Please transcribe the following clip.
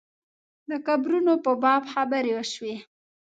د قبرونو په باب خبرې وشوې.